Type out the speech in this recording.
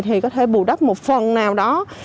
thì có thể bù đắp một phần nào đó